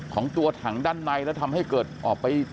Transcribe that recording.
ของตัวถังด้านในแล้วทำให้เกิดออกไป